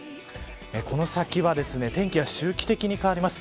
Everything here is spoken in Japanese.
この先は天気が周期的に変わります。